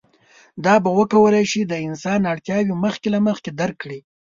دا به وکولی شي د انسان اړتیاوې مخکې له مخکې درک کړي.